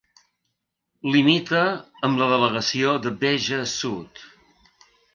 Limita amb la delegació de Béja Sud.